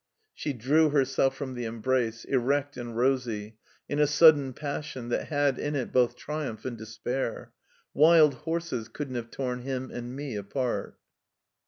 She drew herself from the embrace, erect and rosy, in a sudden passion that had in it both triumph and despair. "Wild horses couldn't have torn him and me apart."